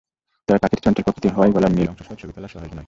তবে পাখিটি চঞ্চল প্রকৃতির হওয়ায় গলার নীল অংশসহ ছবি তোলা সহজ নয়।